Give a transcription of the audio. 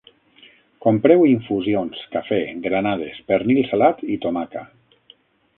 Compreu infusions, cafè, granades, pernil salat i tomaca